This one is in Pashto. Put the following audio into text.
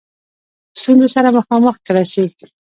ستونزو سره مخامخ کړه سي.